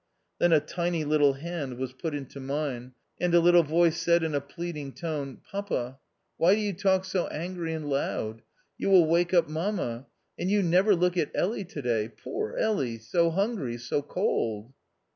Then a tiny little hand was put into mine, 2i 4 THE OUTCAST. and a little voice said in a pleading tone, " Papa, why do you talk so angry and loud ? you will wake up mamma. And you never look at Elly to day. Poor Elly! so hungry, so cold